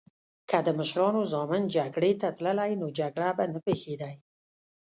که د مشرانو ځامن جګړی ته تللی نو جګړې به نه پیښیدی